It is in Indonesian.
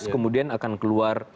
kemudian akan keluar